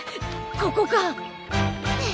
ここか！